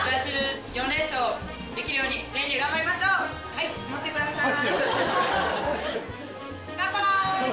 はい持ってください。